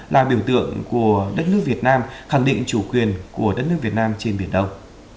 là biểu tượng của đất nước việt nam khẳng định chủ quyền của đất nước việt nam trên biển đông